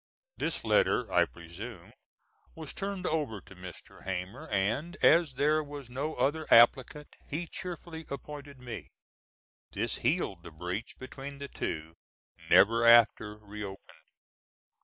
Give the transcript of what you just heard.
This letter, I presume, was turned over to Mr. Hamer, and, as there was no other applicant, he cheerfully appointed me. This healed the breach between the two, never after reopened.